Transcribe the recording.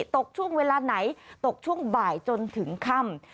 ตกช่วงเวลาไหนตกช่วงบ่ายจนถึงค่ำ